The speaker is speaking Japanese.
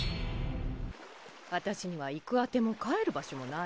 私には行く当ても帰る場所もないの。